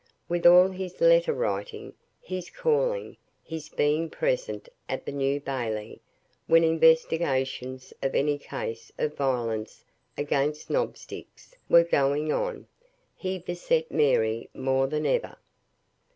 With all his letter writing, his calling, his being present at the New Bailey, when investigations of any case of violence against knob sticks were going on, he beset Mary more than ever.